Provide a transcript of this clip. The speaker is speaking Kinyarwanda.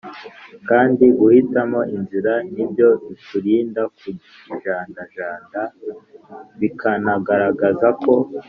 kandi guhitamo inzira ni byo bikurinda kujandajanda, bikanagaragaza ko